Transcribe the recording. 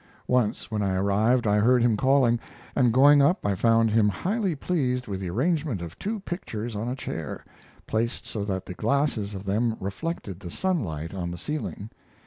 Once, when I arrived, I heard him calling, and going up I found him highly pleased with the arrangement of two pictures on a chair, placed so that the glasses of them reflected the sunlight on the ceiling.